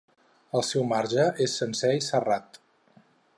El seu marge és sencer i serrat.